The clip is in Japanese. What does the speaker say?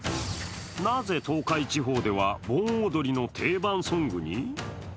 なぜ東海地方では盆踊りの定番ソングに？